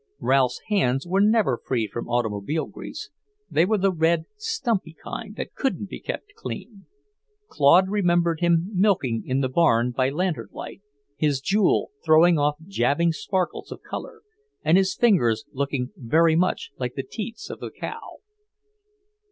Ralph's hands were never free from automobile grease they were the red, stumpy kind that couldn't be kept clean. Claude remembered him milking in the barn by lantern light, his jewel throwing off jabbing sparkles of colour, and his fingers looking very much like the teats of the cow.